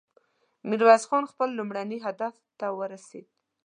ميرويس خان خپل لومړني هدف ته ورسېد.